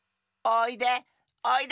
おいで。